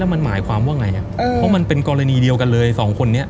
มันหมายความว่าไงเพราะมันเป็นกรณีเดียวกันเลยสองคนนี้